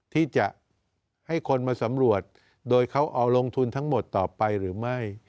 ที่จะให้คนมาสำรวจโดยเขาเอาลงทุนทั้งหมดต่อไปหรือไม่